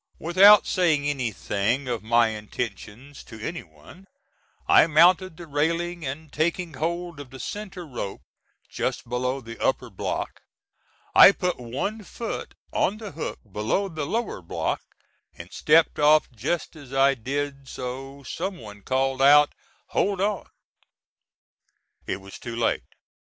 Without saying anything of my intentions to any one, I mounted the railing, and taking hold of the centre rope, just below the upper block, I put one foot on the hook below the lower block, and stepped off just as I did so some one called out "hold on." It was too late.